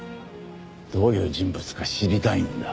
どういう人物か知りたいんだ。